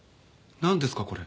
何ですか？